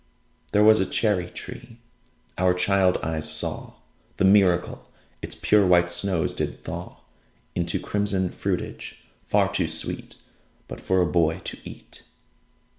There was a cherry tree our child eyes saw The miracle: Its pure white snows did thaw Into a crimson fruitage, far too sweet But for a boy to eat.